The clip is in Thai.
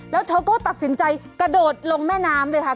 แล้วเธอก็ตัดสินใจกระโดดลงแม่น้ำเลยค่ะ